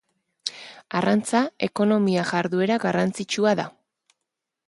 Arrantza ekonomia jarduera garrantzitsua da.